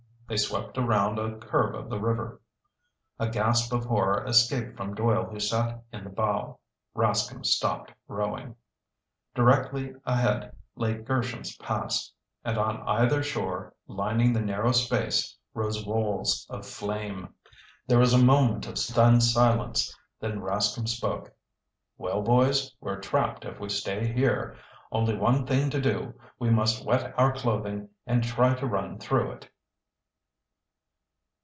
They swept around a curve of the river. A gasp of horror escaped from Doyle who sat in the bow. Rascomb stopped rowing. Directly ahead lay Gersham's Pass. And on either shore, lining the narrow space, rose walls of flame. There was a moment of stunned silence. Then Rascomb spoke. "Well, boys, we're trapped if we stay here. Only one thing to do! We must wet our clothing and try to run through it!"